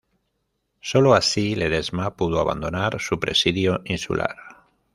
Solo así Ledesma pudo abandonar su presidio insular.